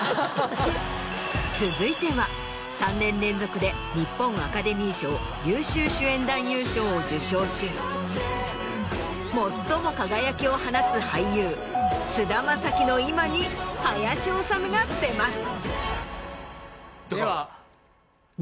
続いては３年連続で日本アカデミー賞優秀主演男優賞を受賞中最も輝きを放つ俳優菅田将暉の今に林修が迫る。